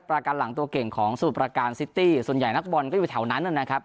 ประกันหลังตัวเก่งของสมุทรประการซิตี้ส่วนใหญ่นักบอลก็อยู่แถวนั้นนะครับ